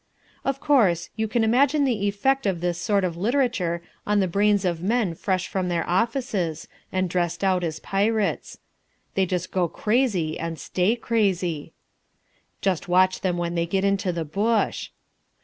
Of course, you can imagine the effect of this sort of literature on the brains of men fresh from their offices, and dressed out as pirates. They just go crazy and stay crazy. Just watch them when they get into the bush.